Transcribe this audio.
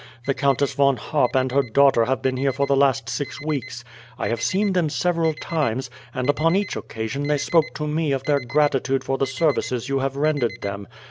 The Countess Von Harp and her daughter have been here for the last six weeks. I have seen them several times, and upon each occasion they spoke to me of their gratitude for the services you have rendered them.